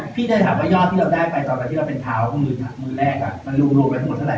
พี่เตยถามว่ายอดที่เราได้ไปตอนนั้นที่เราเป็นเท้ามือแรกมันรวมไปทั้งหมดเท่าไ